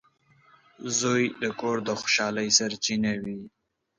• زوی د کور د خوشحالۍ سرچینه وي.